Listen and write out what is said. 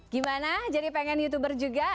gimana jadi pengen youtuber juga